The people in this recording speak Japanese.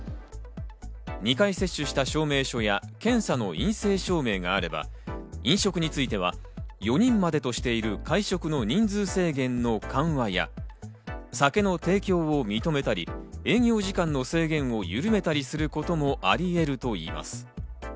２回接種した証明書や検査の陰性証明があれば飲食については４人までとしている会食の人数制限の緩和や酒の提供を認めたり、営業時間の制限をゆるめたりすることもあり得るといいます。